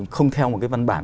không theo một cái văn bản